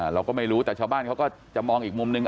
เราก็ไม่รู้แต่ชาวบ้านเขาก็จะมองอีกมุมหนึ่ง